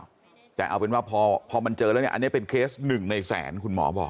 แต่เอาเป็นว่าพอมันเจอแล้วเนี่ยอันนี้เป็นเคสหนึ่งในแสนคุณหมอบอก